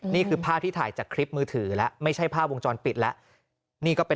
นี่คือภาพที่ถ่ายจากคลิปมือถือแล้วไม่ใช่ภาพวงจรปิดแล้วนี่ก็เป็น